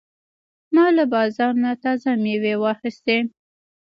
ما له بازار نه تازه مېوې واخیستې.